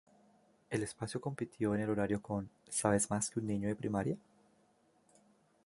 El espacio compitió en el horario con ¿Sabes más que un niño de primaria?